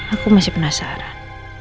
aku masih penasaran